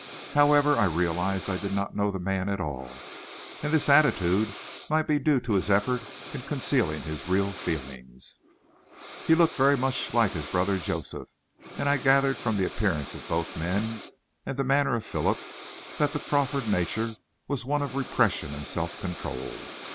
However, I realized I did not know the man at all, and this attitude might be due to his effort in concealing his real feelings. He looked very like his brother Joseph, and I gathered from the appearance of both men, and the manner of Philip, that the Crawford nature was one of repression and self control.